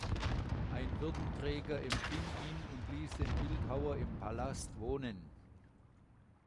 Ein Würdenträger empfing ihn und ließ den Bildhauer im Palast wohnen.